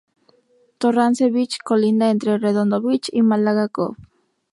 Torrance Beach colinda entre Redondo Beach y Málaga Cove.